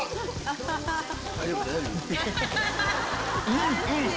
うんうん！